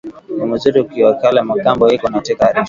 Ni muzuri kwikala na mkambo eko na teka arishi